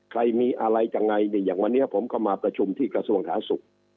ใครมีอะไรจะไงอย่างวันนี้ผมเข้ามาประชุมที่กระทรวงฐาศุกร์